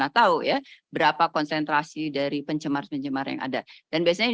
kemudian tastikle a kelainan fosfato itu untuk penutup dan penutup